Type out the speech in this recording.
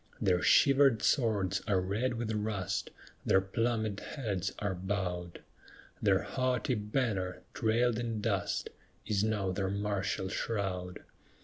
Their shivered swords are red with rust; Their plumèd heads are bowed; Their haughty banner, trailed in dust, Is now their martial shroud.